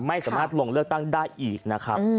ไม่สามารถลงเลือกตั้งได้อีกนะครับ